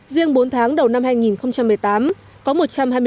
riêng bốn tháng đầu năm hai nghìn một mươi tám sở y tế tỉnh đắk lắc tổ chức hội nghị